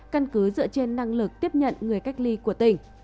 căn cứ dựa trên năng lực tiếp nhận người cách ly của tỉnh